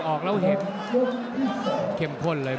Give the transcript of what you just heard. มันต้องอย่างงี้มันต้องอย่างงี้